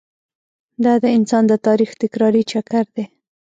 دا د انسان د تاریخ تکراري چکر دی.